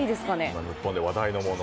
今、日本で話題のもの。